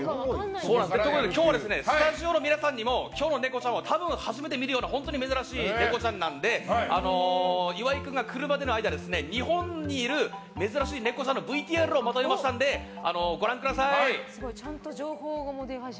今日はスタジオの皆さんにも今日のネコちゃんは初めて見る本当に珍しいネコちゃんなので岩井君が来るまでの間日本にいる珍しいネコちゃんのＶＴＲをまとめましたので、ご覧ください。